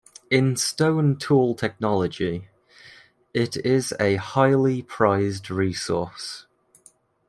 In stone tool technology, it is a highly prized resource.